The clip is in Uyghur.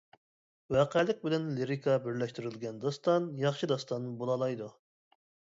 ۋەقەلىك بىلەن لىرىكا بىرلەشتۈرۈلگەن داستان ياخشى داستان بولالايدۇ.